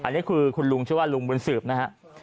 อันนี้คือคุณลุงชื่อว่าลุงบุญสืบนะฮะ